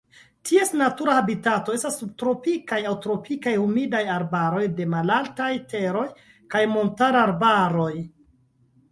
Ties natura habitato estas subtropikaj aŭ tropikaj humidaj arbaroj de malaltaj teroj kaj montararbaroj.